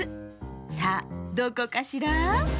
さあどこかしら？